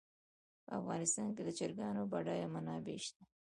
په افغانستان کې د چرګانو بډایه منابع شته.